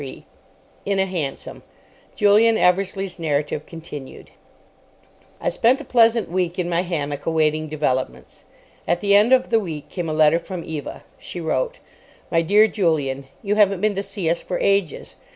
CHAPTER 23 IN A HANSOM (Julian Eversleigh's narrative continued) I spent a pleasant week in my hammock awaiting developments. At the end of the week came a letter from Eva. She wrote:— My Dear Julian,—You haven't been to see us for ages.